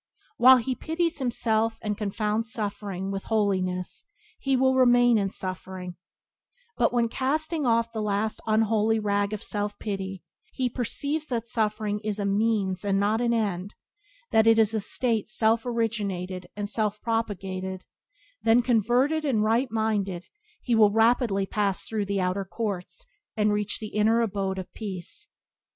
While he pities himself and confounds suffering with holiness he will remain in Byways to Blessedness by James Allen 21 suffering: but when, casting off the last unholy rag of self pity, he perceives that suffering is a means and not an end, that it is a state self originated and self propagated, then, converted and right minded, he will rapidly pass through the outer courts, and reach the inner abode of peace.